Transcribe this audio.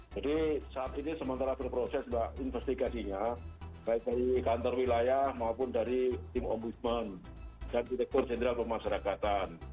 jadi saat ini sementara berproses pak investigasinya baik dari kantor wilayah maupun dari tim ombudsman dan direktur jenderal pemasarakatan